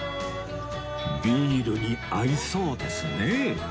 ビールに合いそうですね